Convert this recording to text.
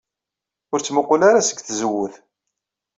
Ur ttmuqqul ara seg tzewwut.